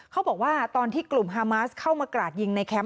เขาบอกว่าตอนที่กลุ่มฮามาสเข้ามากราดยิงในแคมป